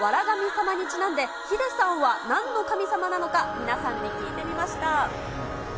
神様にちなんで、ヒデさんはなんの神様なのか、皆さんに聞いてみました。